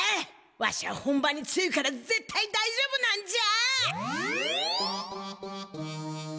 わしは本番に強いからぜったいだいじょうぶなんじゃ！